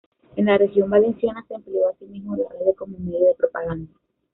En la región valenciana se empleó asimismo la radio como medio de propaganda.